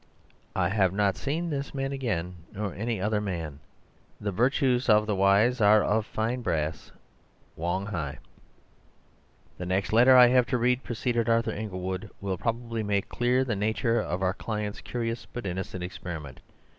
I have not seen this man again nor any other man. The virtues of the wise are of fine brass. "Wong Hi." "The next letter I have to read," proceeded Arthur Inglewood, "will probably make clear the nature of our client's curious but innocent experiment.